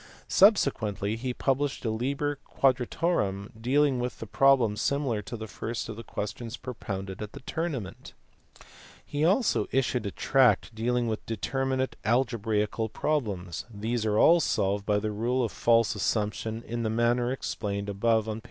Subsequently he published a Liber Quadratorum dealing with problems similar to the first of the questions propounded at the tournament*. He also issued a tract dealing with deter minate algebraical problems: these are all solved by the rule of false assumption in the manner explained above on p.